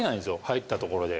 入ったところで。